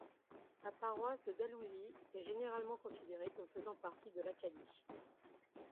La paroisse de Dalhousie est généralement considérée comme faisant partie de l'Acadie.